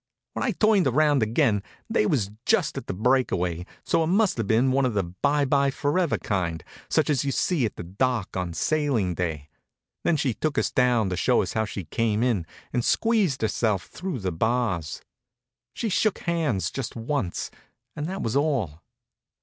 When I turned around again they was just at the breakaway, so it must have been one of the by by forever kind, such as you see at the dock on sailing day. Then she took us down to show us how she came in, and squeezed herself through the bars. They shook hands just once, and that was all.